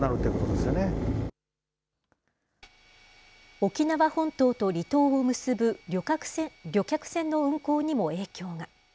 沖縄本島と離島を結ぶ旅客船の運航にも影響が。